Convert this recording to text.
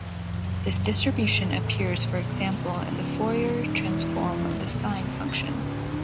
This distribution appears, for example, in the Fourier Transform of the Sign function.